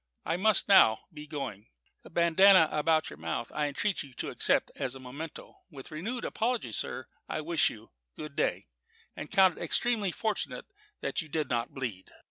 I must now be going. The bandanna about your mouth I entreat you to accept as a memento. With renewed apologies, sir, I wish you good day; and count it extremely fortunate that you did not bleed."